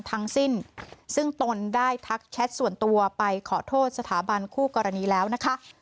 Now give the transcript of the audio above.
ทั้งสิ้นซึ่งตนได้ทักแชทส่วนตัวไปขอโทษสถาบันคู่กรณีแล้วนะคะ